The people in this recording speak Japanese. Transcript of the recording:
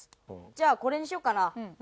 じゃあこれにしようかな。